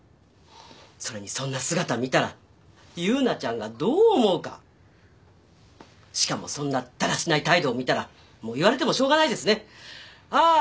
それにそんな姿見たら優奈ちゃんがどう思うかしかもそんなだらしない態度を見たら言われてもしょうがないですねあー